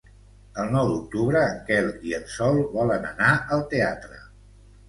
El nou d'octubre en Quel i en Sol volen anar al teatre.